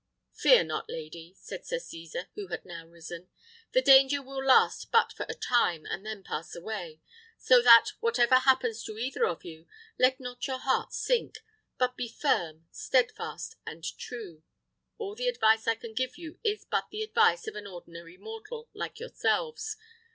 "Fear not, lady," said Sir Cesar, who had now risen; "the danger will last but for a time, and then pass away. So that, whatever happens to either of you, let not your hearts sink; but be firm, steadfast, and true. All the advice I can give you is but the advice of an ordinary mortal like yourselves.